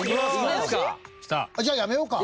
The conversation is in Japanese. じゃあやめようか。